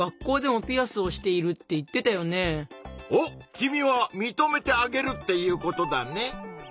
君はみとめてあげるっていうことだね！